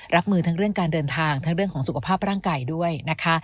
รับมือทั้งเรื่องการเดินทางทั้งเรื่องของสุขภาพร่างกายด้วยนะคะ